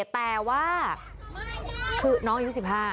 แต่ว่าคือน้องยูสิบห้า